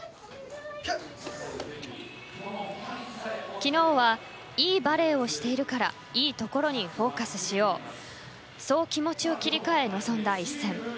昨日はいいバレーをしているからいいところにフォーカスしようそう気持ちを切り替え臨んだ一戦。